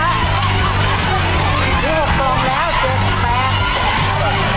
ในตอนนี้นะครับ